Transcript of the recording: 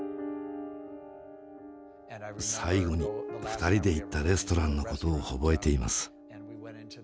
最後に２人で行ったレストランのことを覚えています。